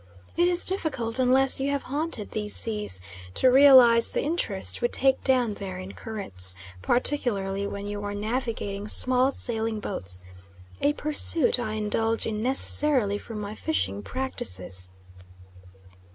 It is difficult, unless you have haunted these seas, to realise the interest we take down there in currents; particularly when you are navigating small sailing boats, a pursuit I indulge in necessarily from my fishing practices.